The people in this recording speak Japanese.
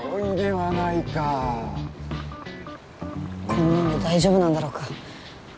こんなんで大丈夫なんだろうか。